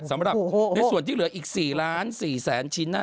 สำหรับในส่วนที่เหลืออีก๔ล้าน๔แสนชิ้นนะ